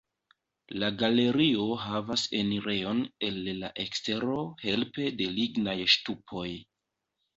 La galerio havas enirejon el la ekstero helpe de lignaj ŝtupoj.